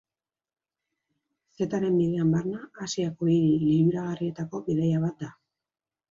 Zetaren Bidean barna, Asiako hiri liluragarrietako bidaia bat da.